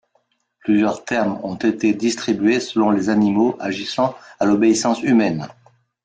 Plusieurs termes ont été distribués selon les animaux agissant à l'obéissance humaine.